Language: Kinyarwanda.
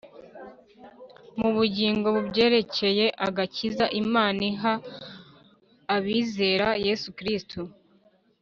mu bugingo kubyerekeye agakiza Imana iha abizera Yesu Kristo.